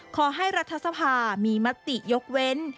ขอให้รัฐสภามีมติยกเว้น